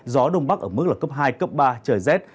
gió đông bắc ở mức là cấp hai cấp ba trời rét